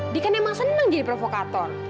dia kan emang senang jadi provokator